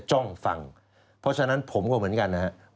จ้องฟังเพราะฉะนั้นผมก็เหมือนกันนะครับ